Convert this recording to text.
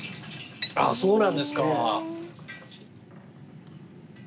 あっそうなんですか。